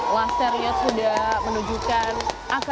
lasernya sudah menunjukkan angka dua puluh